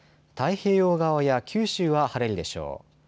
太平洋側や九州は晴れるでしょう。